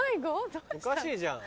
おかしいじゃん。